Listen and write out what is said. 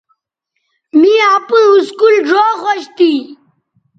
می اپئیں اسکول ڙھؤ خوش تھی